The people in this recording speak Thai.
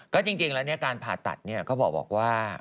ก็จริงแล้วการผ่าตัดเขาบอกว่า